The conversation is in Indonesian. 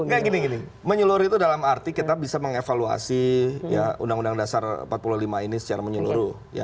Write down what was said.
kayak gini gini menyeluruh itu dalam arti kita bisa mengevaluasi ya undang undang dasar empat puluh lima ini secara menyeluruh